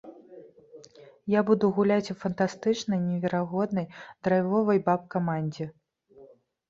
Я буду гуляць у фантастычнай, неверагоднай, драйвовай баб-камандзе.